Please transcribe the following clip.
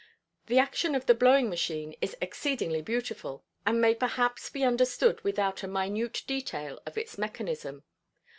The action of the blowing machine is exceedingly beautiful, and may perhaps be understood without a minute detail of its mechanism.